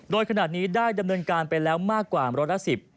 โดยขนาดนี้ได้ดำเนินการไปแล้วมากกว่าร้อยละสิบ